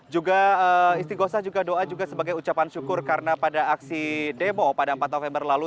juga istiqosah juga doa juga sebagai ucapan syukur karena pada aksi demo pada empat november lalu